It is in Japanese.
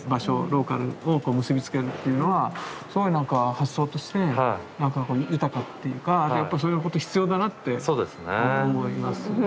ローカルを結び付けるというのはすごいなんか発想として豊かというかやっぱそういうこと必要だなって思います。